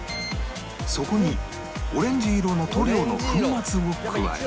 そこにオレンジ色の塗料の粉末を加え